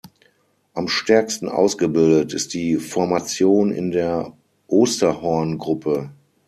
Am stärksten ausgebildet ist die Formation in der Osterhorngruppe.